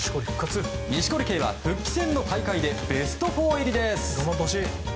錦織圭は復帰戦の大会でベスト４入りです！